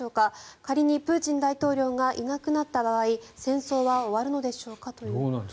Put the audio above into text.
仮にプーチン大統領がいなくなった場合戦争は終わるのでしょうか？ということです。